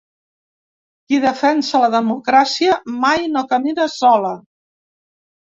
Qui defensa la democràcia mai no camina sola!